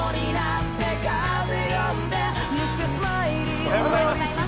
おはようございます。